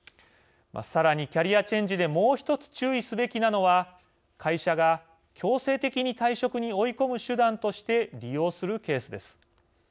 さらに、キャリアチェンジでもう１つ注意すべきなのは会社が強制的に退職に追い込む手段として利用するケースです。